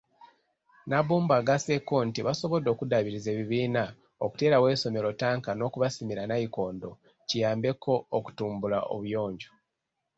Nabbumba agasseeko nti basobodde okuddaabiriza ebibiina, okuteerawo essomero ttanka n'okubasimira Nayikondo kiyambeko okutumbula obuyonjo.